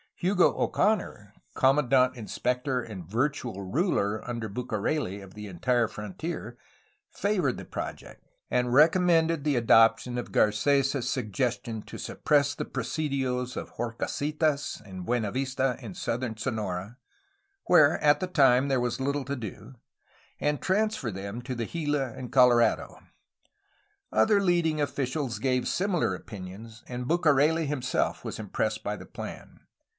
Hugo Oconor, commandant inspector and virtual ruler, under Bucareli, of the entire frontier, favored the project, and recom mended the adoption of Garces' suggestion to suppress the presidios of Horcasitas and Buenavista in southern Sonora, where at the time there was little to do, and transfer them to the Gila and Colorado. Other leading officials gave similar opinions, and Bucareli himself was impressed by the plan.